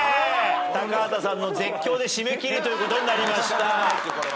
高畑さんの絶叫で締め切りということになりました。